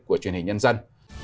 của truyền hình nhân dân